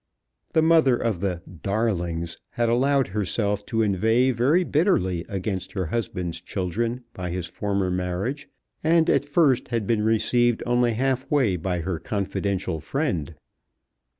The mother of the "darlings" had allowed herself to inveigh very bitterly against her husband's children by his former marriage, and at first had been received only half way by her confidential friend.